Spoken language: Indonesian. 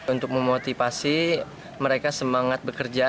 untuk memotivasi mereka semangat bekerja